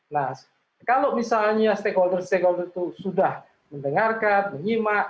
nah kalau misalnya stakeholder stakeholder itu sudah mendengarkan menyimak